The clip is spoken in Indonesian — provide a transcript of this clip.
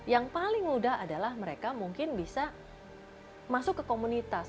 yang paling mudah adalah mereka mungkin bisa masuk ke komunitas